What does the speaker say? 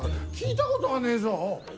聞いたことがねえぞ。